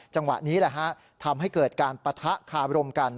จังหวะนี้แหละฮะทำให้เกิดการปะทะคาบรมกัน